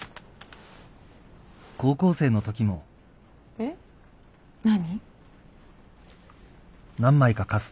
えっ何？